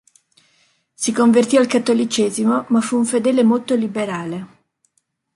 Si convertì al cattolicesimo, ma fu un fedele molto liberale.